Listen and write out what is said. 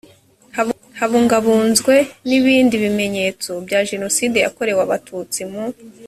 habungabunzwe n ibindi bimenyetso bya jenoside yakorewe abatutsi mu